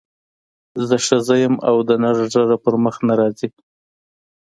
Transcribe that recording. زه ښځه یم او د نر ږیره پر مخ نه راځي.